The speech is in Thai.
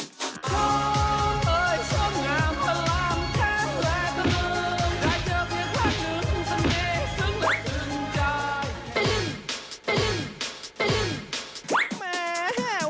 โทษเฮ้ยช่วงงามพล่ำแทนแหละก็มึงได้เจอเพียงภาคหนึ่งเสม่ห์ซึ่งแหล่ะสนใจ